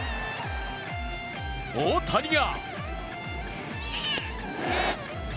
大谷が。